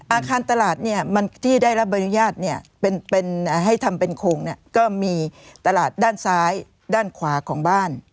อาคารตลาดเนี่ยมันที่ได้รับบรรยาทเนี่ยเป็นเป็นให้ทำเป็นโครงเนี่ยก็มีตลาดด้านซ้ายด้านขวาของบ้าน